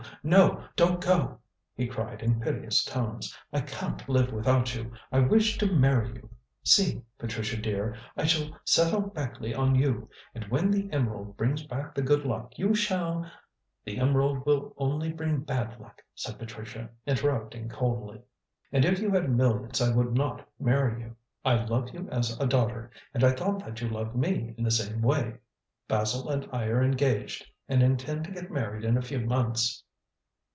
no! Don't go!" he cried in piteous tones. "I can't live without you. I wish to marry you. See, Patricia, dear, I shall settle Beckleigh on you, and when the emerald brings back the good luck you shall " "The emerald will only bring bad luck," said Patricia, interrupting coldly. "And if you had millions I would not marry you. I love you as a daughter, and I thought that you loved me in the same way. Basil and I are engaged and intend to get married in a few months."